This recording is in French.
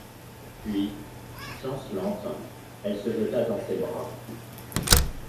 Puis, chancelante, elle se jeta dans ses bras.